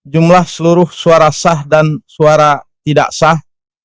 jumlah seluruh suara sah dan suara tidak sah